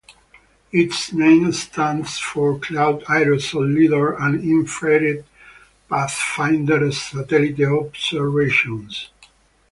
Its name stands for Cloud-Aerosol Lidar and Infrared Pathfinder Satellite Observations.